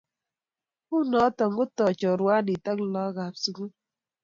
unoto kotoi chorwandit ak laak ab sugul